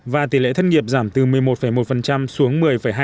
và tỷ lệ thất nghiệp giảm từ một mươi một một xuống một mươi hai